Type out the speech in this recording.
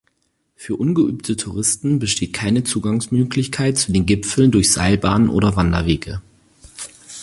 Für ungeübte Touristen besteht keine Zugangsmöglichkeit zu den Gipfeln durch Seilbahnen oder Wanderwege.